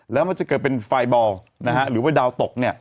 แล้วมันจะเกิดเป็นไฟบอลหรือว่าดาวตก